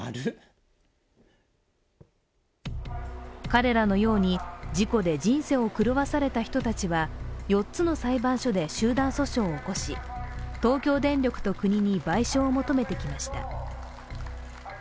彼らのように事故で人生を狂わされた人たちは４つの裁判所で集団訴訟を起こし東京電力と国に賠償を求めてきました。